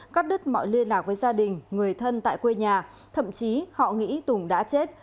cắt đứt mọi liên lạc với gia đình người thân tại quê nhà thậm chí họ nghĩ tùng đã chết